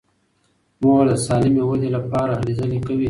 مور د سالمې ودې لپاره هلې ځلې کوي.